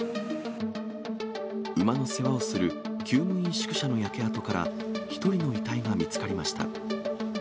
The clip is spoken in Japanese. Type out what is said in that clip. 馬の世話をするきゅう務員宿舎の焼け跡から、１人の遺体が見つかりました。